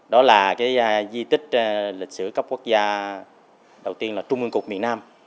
đó là di tích lịch sử cấp quốc gia đầu tiên là trung ương cục miền nam